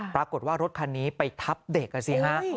ปรากฏว่ารถคันนี้ไปทับเด็กอ่ะสิฮะ